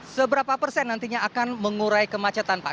seberapa persen nantinya akan mengurai kemacetan pak